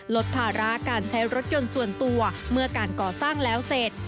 ลดภาระการใช้รถยนต์ส่วนตัวเมื่อการก่อสร้างแล้วเสร็จ